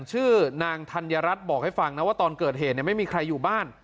ชื่อนางธัญรัฐบอกให้ฟังนะว่าตอนเกิดเหตุไม่มีใครอยู่บ้าน